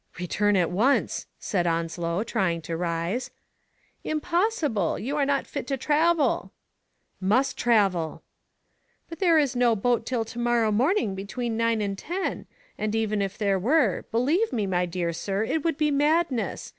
"Return at once," said Onslow, trying to rise. "Impossible. You are not fit to travel." "Must travel." "But there is no boat till to morrow morning between nine and ten, and even if there were, believe me, my dear sir, it would be madness.